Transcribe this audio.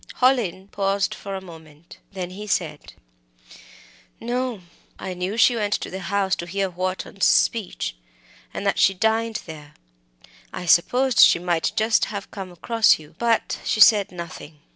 Hallin paused a moment. Then he said: "No. I knew she went to the House to hear Wharton's speech, and that she dined there. I supposed she might just have come across you but she said nothing."